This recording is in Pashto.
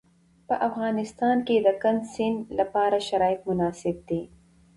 په افغانستان کې د کندز سیند لپاره شرایط مناسب دي.